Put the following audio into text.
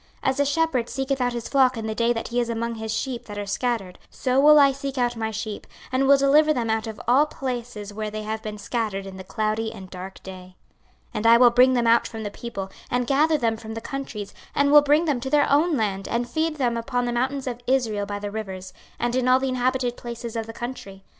26:034:012 As a shepherd seeketh out his flock in the day that he is among his sheep that are scattered; so will I seek out my sheep, and will deliver them out of all places where they have been scattered in the cloudy and dark day. 26:034:013 And I will bring them out from the people, and gather them from the countries, and will bring them to their own land, and feed them upon the mountains of Israel by the rivers, and in all the inhabited places of the country.